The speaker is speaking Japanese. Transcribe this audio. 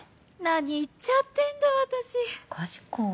何言っちゃってんだ私かしこ。